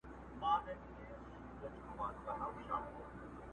چي صوفي موږک ایله کړ په میدان کي.!